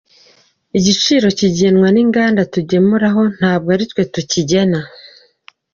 igiciro kigenwa n’inganda tugemuraho ntabwo ari twe tukigena.